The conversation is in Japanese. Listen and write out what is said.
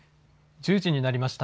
１０時になりました。